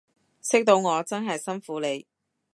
識到我真係辛苦你